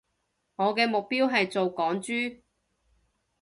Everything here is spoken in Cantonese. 我嘅目標係做港豬